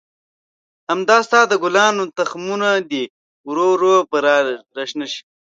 همدا ستا د ګلانو تخمونه دي، ورو ورو به را شنه شي.